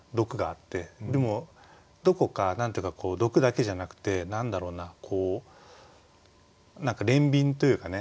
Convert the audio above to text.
でもどこか何て言うか毒だけじゃなくて何だろうな何か憐憫というかね